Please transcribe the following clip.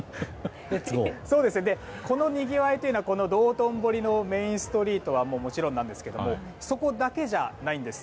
このにぎわい道頓堀のメインストリートはもちろんなんですがそこだけじゃないんです。